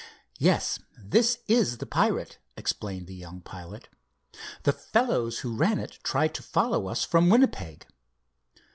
"Yes, this is the pirate," explained the young pilot. "The fellows who ran it tried to follow us from Winnipeg.